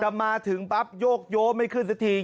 จะมาถึงปั๊บโยลไม่ขึ้นซะที